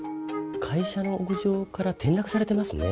会社の屋上から転落されてますね。